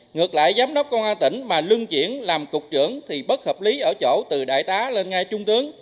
ngược lại giám đốc công an tỉnh mà lưng chuyển làm cục trưởng thì bất hợp lý ở chỗ từ đại tá lên ngay trung tướng